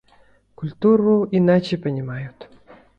Культуру иначе понимают.